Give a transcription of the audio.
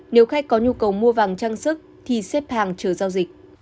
nếu khách có nhu cầu mua vàng trang sức thì xếp hàng chờ giao dịch